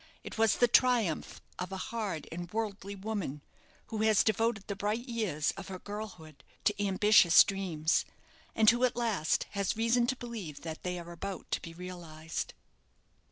It was the triumph of a hard and worldly woman, who has devoted the bright years of her girlhood to ambitious dreams; and who, at last, has reason to believe that they are about to be realized.